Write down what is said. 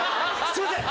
すいません！